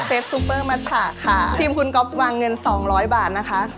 เทปซุปเปอร์มัชชะค่าทีมคุณก๊อฟวางเงิน๒๐๐บาทนะคะ